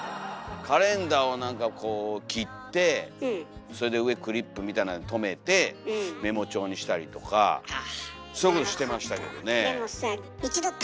カレンダーを何かこう切ってそれで上クリップみたいなので留めてメモ帳にしたりとかそういうことしてましたけどね。